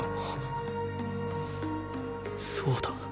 そうだ。